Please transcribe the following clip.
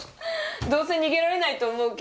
どうせ逃げられないと思うけど。